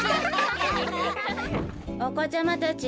おこちゃまたち！